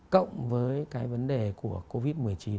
cộng với cái vấn đề của covid một mươi chín